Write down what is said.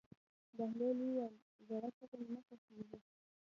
بهلول وویل: زړه ښځه مې نه خوښېږي.